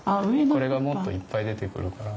これがもっといっぱい出てくるから。